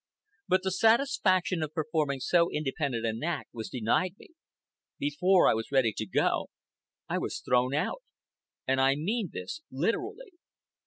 But the satisfaction of performing so independent an act was denied me. Before I was ready to go, I was thrown out. And I mean this literally.